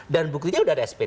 dan buktinya sudah ada sp tiga